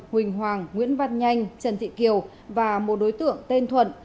huỳnh hoàng nguyễn văn nhanh trần thị kiều và một đối tượng tên thuận